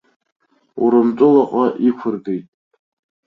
Урымтәылаҟа иқәыргеит.